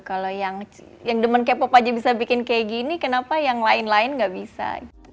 kalau yang demen k pop aja bisa bikin kayak gini kenapa yang lain lain nggak bisa